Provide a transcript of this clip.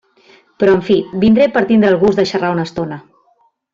Però en fi, vindré per tindre el gust de xarrar una estona.